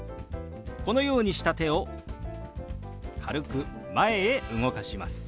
このようにした手を軽く前へ動かします。